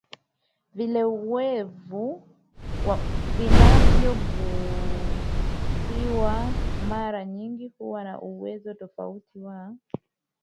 Vilewevu vinavyogusiwa mara nyingi huwa na uwezo tofauti wa